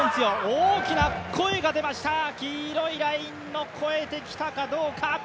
大きな声が出ました、黄色いラインを超えてきたかどうか。